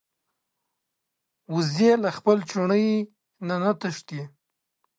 وزې له خپل چوڼي نه نه تښتي